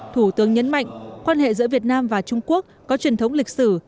thủ tướng nhấn mạnh quan hệ giữa việt nam và trung quốc có truyền thống lịch sử